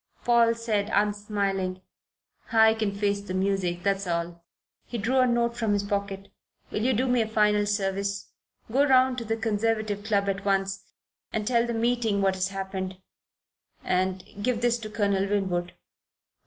Paul said, unsmiling: "I can face the music. That's all." He drew a note from his pocket. "Will you do me a final service? Go round to the Conservative Club at once, and tell the meeting what has happened, and give this to Colonel Winwood."